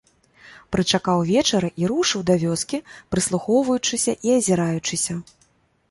Прычакаў вечара і рушыў да вёскі, прыслухоўваючыся і азіраючыся.